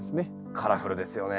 カラフルですよね。